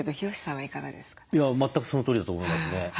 全くそのとおりだと思いますね。